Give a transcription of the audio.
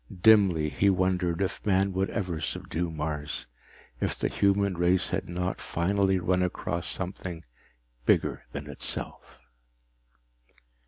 Dimly, he wondered if man would ever subdue Mars, if the human race had not finally run across something bigger than itself.